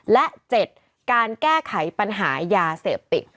และ๗การแก้ไขปัญหายาเสพติด